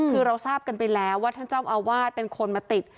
คือเราทราบกันไปแล้วว่าท่านเจ้าอาวาสเป็นคนมาติด